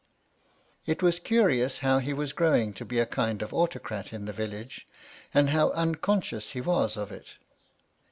It was curious how he was growing to be a kind of autocrat in the village ; and how unconscious he was of it.